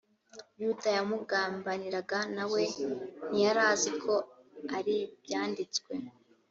yuda wamugambaniraga na we ntiyarazi ko aribyanditswe.